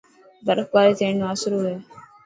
برف باري ٿيڻ رو آسرو هي.